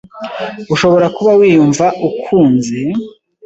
Ushobora kuba wiyumva ukunze,